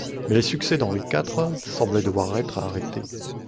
Mais les succès d'Henri quatre semblaient devoir être arrêtés.